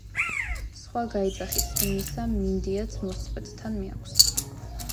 სხვა გაიძახის – "იმისა" მინდიაც მოსწყვეტს, თან მიაქვს